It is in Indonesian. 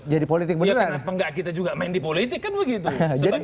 ya kenapa enggak kita juga main di politik kan begitu